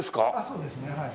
そうですねはい。